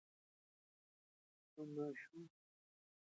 ماشومان د لوبو له لارې د فشار کمښت تجربه کوي.